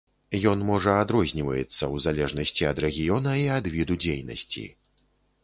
Ён можа адрозніваецца ў залежнасці ад рэгіёна і ад віду дзейнасці.